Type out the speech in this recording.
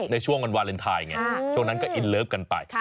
ในช่วงวันวาเลนไทยไงช่วงนั้นก็อินเลิฟกันไป